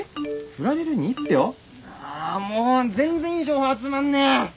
あもう全然いい情報集まんねえ！